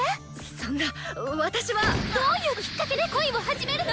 そんな私は。どういうきっかけで恋を始めるの？